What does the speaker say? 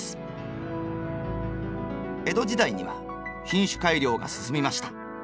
江戸時代には品種改良が進みました。